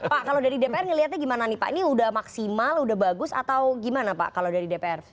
pak kalau dari dpr ngelihatnya gimana nih pak ini udah maksimal udah bagus atau gimana pak kalau dari dpr